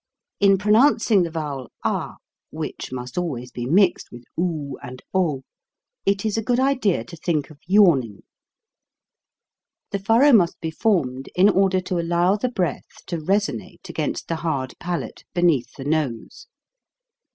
In pronouncing the vowel ah (which must always be mixed with oo and o), it is a good idea to think of yawning. The furrow must be formed in order to allow the breath to resonate against the hard palate beneath the nose.